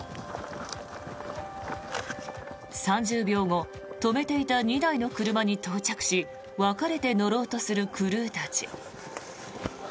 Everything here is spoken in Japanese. ３０秒後止めていた２台の車に到着し分かれて乗ろうとするクルーたち。